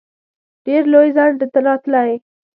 ډېر لوی ځنډ راتلی.